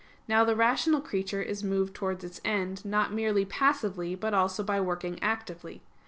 Now the rational creature is moved towards its end, not merely passively, but also by working actively.